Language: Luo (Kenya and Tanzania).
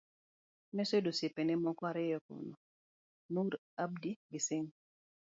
Noseyudo osiepene moko ariyo kono, Noor Abdi gi Singh